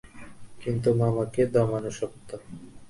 কিন্তু, মামাকে দমানো শক্ত।